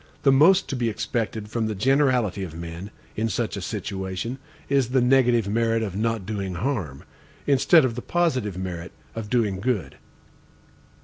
The most to be expected from the generality of men, in such a situation, is the negative merit of not doing harm, instead of the positive merit of doing good.